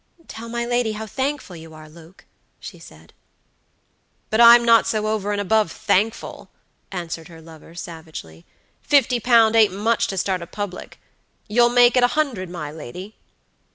"Tell my lady how thankful you are, Luke," she said. "But I'm not so over and above thankful," answered her lover, savagely. "Fifty pound ain't much to start a public. You'll make it a hundred, my lady?"